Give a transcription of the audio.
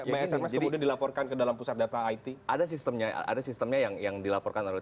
bss yang kemudian dilaporkan ke dalam pusat data it ada sistemnya ada sistemnya yang dilaporkan